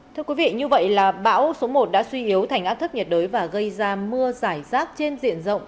thưa quý vị như vậy là bão số một đã suy yếu thành áp thấp nhiệt đới và gây ra mưa giải rác trên diện rộng